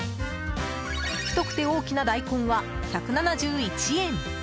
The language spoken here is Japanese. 太くて大きな大根は１７１円。